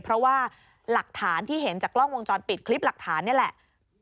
เพราะว่าหลักฐานที่เห็นจากกล้องวงจรปิดคลิปหลักฐานนี่แหละ